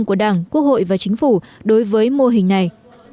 của đảng quốc hội và chính phủ đối với mô hình này